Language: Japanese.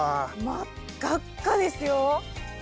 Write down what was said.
真っ赤っかですよ。